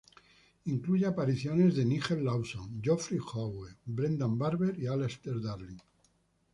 Incluye apariciones de Nigel Lawson, Geoffrey Howe, Brendan Barber y Alastair Darling.